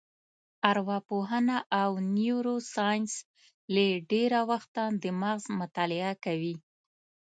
ارواپوهنه او نیورو ساینس له ډېره وخته د مغز مطالعه کوي.